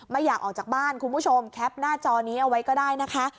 ไม่อยากออกจากบ้านคุณผู้ชมแคปหน้าจอนี้เอาไว้ก็ได้นะคะ